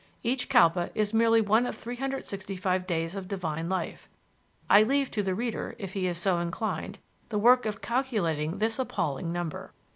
Each Kalpa is merely one of 365 days of divine life: I leave to the reader, if he is so inclined, the work of calculating this appalling number.